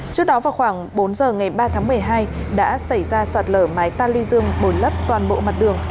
trước đó vào khoảng bốn giờ ngày ba tháng một mươi hai đã xảy ra sạt lở mái ta lưu dương bồi lấp toàn bộ mặt đường